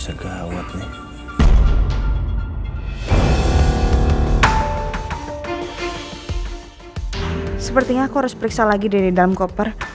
sepertinya aku harus periksa lagi dari dalam koper